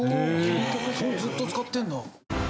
それずっと使ってるんだ。